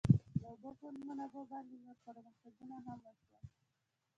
د اوبو په منابعو باندې نور پرمختګونه هم وشول.